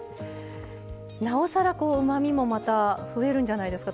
なおさらうまみもまた増えるんじゃないですか。